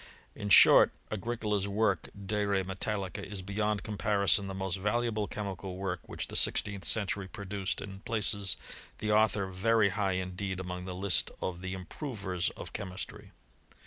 In short, Agricola's work De Re Metallica is beyond comparison the most valuable chemical work which the sixteenth century produced, and places the author very high indeed amotig the list of the improvers of chemistry.